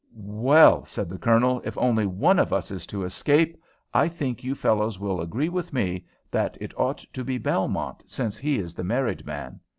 "Well," said the Colonel, "if only one of us is to escape, I think you fellows will agree with me that it ought to be Belmont, since he is the married man."